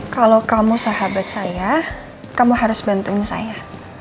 kalau kamu sahabat saya kamu harus bantuin saya